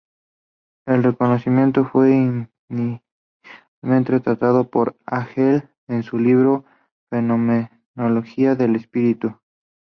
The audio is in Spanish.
El reconocimiento fue inicialmente tratado por Hegel en su libro "Fenomenología del espíritu".